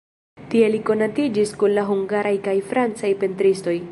Tie li konatiĝis kun la hungaraj kaj francaj pentristoj.